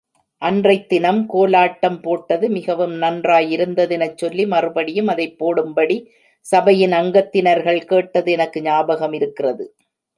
அன்றைத்தினம் கோலாட்டம் போட்டது மிகவும் நன்றாயிருந்ததெனச் சொல்லி, மறுபடியும் அதைப் போடும்படி சபையின் அங்கத்தினர்கள் கேட்டது எனக்கு ஞாபகமிருக்கிறது.